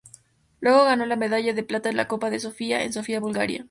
Luego ganó la medalla de plata en la Copa de Sofía en Sofía, Bulgaria.